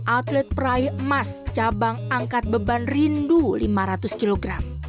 atlet peraih emas cabang angkat beban rindu lima ratus kg